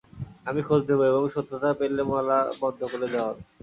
আমি খোঁজ নেব এবং সত্যতা পেলে মেলা বন্ধ করে দেওয়া হবে।